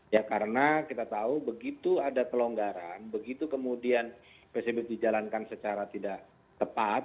ya karena kita tahu begitu ada pelonggaran begitu kemudian psbb dijalankan secara tidak tepat